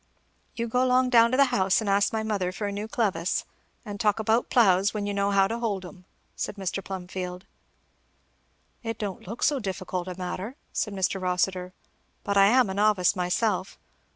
"You go 'long down to the house and ask my mother for a new clevis; and talk about ploughs when you know how to hold 'em," said Mr. Plumfield. "It don't look so difficult a matter," said Mr. Rossitur, "but I am a novice myself.